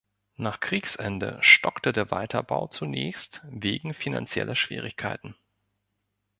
Nach Kriegsende stockte der Weiterbau zunächst wegen finanzieller Schwierigkeiten.